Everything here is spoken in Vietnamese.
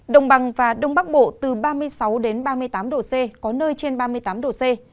đồng bằng và đông bắc bộ từ ba mươi sáu ba mươi tám độ c có nơi trên ba mươi tám độ c